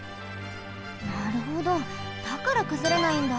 なるほどだからくずれないんだ。